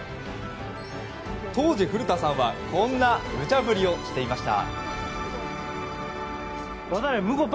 当時、古田さんはこんな無茶ぶりをしていました。